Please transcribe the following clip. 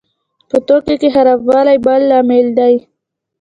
په توکو کې خرابوالی بل لامل دی.